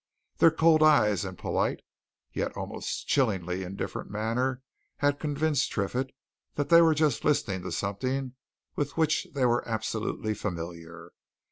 Their cold eyes and polite, yet almost chillingly indifferent manner had convinced Triffitt that they were just listening to something with which they were absolutely familiar.